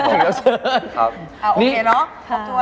โอเคเนาะ